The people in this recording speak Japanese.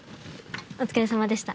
お疲れさまでした。